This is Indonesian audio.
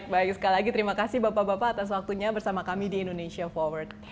baik sekali lagi terima kasih bapak bapak atas waktunya bersama kami di indonesia forward